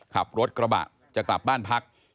ขับรถกระบะจะกลับบ้านพัก